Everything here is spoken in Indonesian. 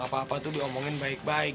apa apa tuh diomongin baik baik